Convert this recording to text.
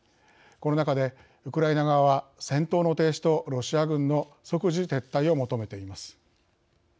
この中でウクライナ側は戦闘の停止とロシア軍の即時撤退を求めています。